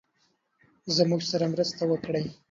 زموږ سره مرسته وکړی.